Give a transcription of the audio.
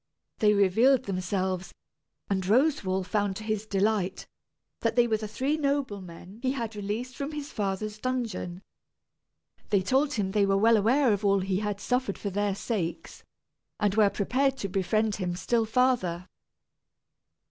They revealed themselves, and Roswal found to his delight that they were the three noblemen he had released from his father's dungeon. They told him they were well aware of all he had suffered for their sakes, and were prepared to befriend him still farther.